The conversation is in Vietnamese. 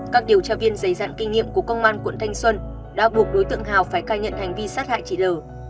các điều tra viên dày dạn kinh nghiệm của công an quận thanh xuân đã buộc đối tượng hào phải cai nhận hành vi sát hại chị l